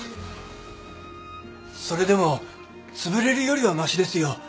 それでもつぶれるよりはマシですよ